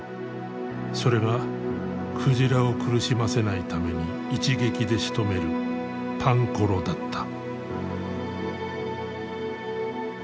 それが鯨を苦しませないために一撃でしとめるパンコロだった。